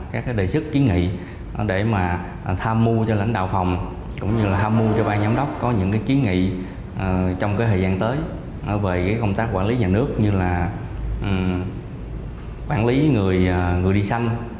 chúng tôi đã tự sức kiến nghị để mà tham mưu cho lãnh đạo phòng cũng như là tham mưu cho ban giám đốc có những cái kiến nghị trong cái thời gian tới về cái công tác quản lý nhà nước như là quản lý người đi sanh